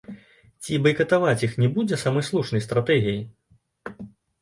Ці байкатаваць іх не будзе самай слушнай стратэгіяй?